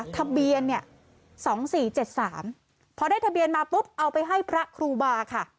ทะเบียน๒๔๗๓พอได้ทะเบียนมาเอาไปให้พระครูบาค่ะ